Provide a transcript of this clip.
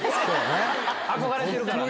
憧れているからね。